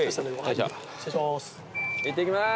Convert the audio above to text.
いってきまーす！